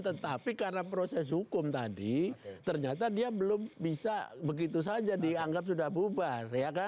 tetapi karena proses hukum tadi ternyata dia belum bisa begitu saja dianggap sudah bubar